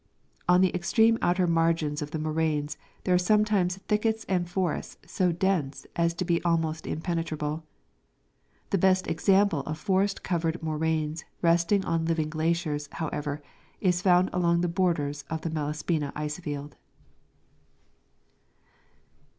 On the extreme outer margins of the moraines there are sometimes thickets and forests so dense as to be almost impenetrable. The best example of forest covered moraines resting on living glaciers, however, is found along the borders of the Malaspina ice field.